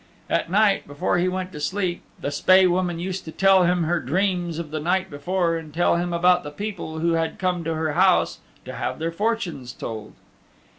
At night, before he went to sleep, the Spae Woman used to tell him her dreams of the night before and tell him about the people who had come to her house to have their fortunes told.